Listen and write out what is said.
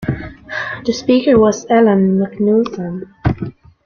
The Speaker was Alan Macnaughton.